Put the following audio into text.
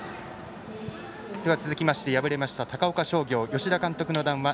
続きまして、敗れました高岡商業、吉田監督の談話